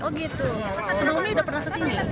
oh gitu surumi sudah pernah kesini